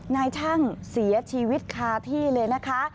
นายช่างเสียชีวิตคาที่เลยนะคะ